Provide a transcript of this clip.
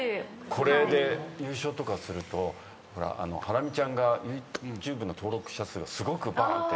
これで優勝とかするとハラミちゃんがＹｏｕＴｕｂｅの登録者数がすごくばんって。